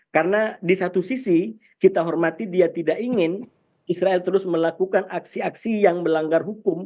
karena di satu sisi kita hormati dia tidak ingin israel terus melakukan aksi aksi yang melanggar hukum